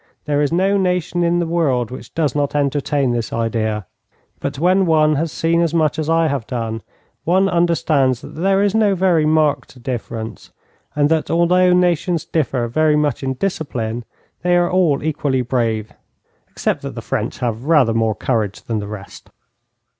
There is no nation in the world which does not entertain this idea. But when one has seen as much as I have done, one understands that there is no very marked difference, and that although nations differ very much in discipline, they are all equally brave except that the French have rather more courage than the rest.